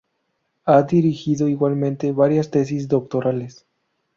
Ha dirigido igualmente varias tesis doctorales.